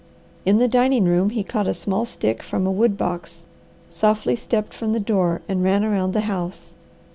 In the dining room he caught a small stick from the wood box, softly stepped from the door, and ran around the house.